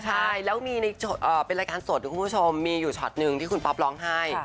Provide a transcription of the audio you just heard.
ใช่แล้วมีเป็นรายการสดคุณผู้ชมมีอยู่ช็อตหนึ่งที่คุณป๊อปร้องไห้